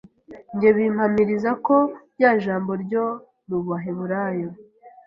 Njye bimpamiriza ko rya Jambo ryo mu Baheburayo